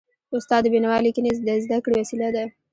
استاد د بينوا ليکني د زده کړي وسیله ده.